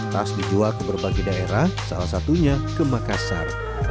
tas dijual ke berbagai daerah salah satunya ke makassar